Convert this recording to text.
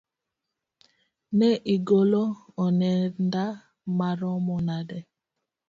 Ne igolo onenda maromo nade?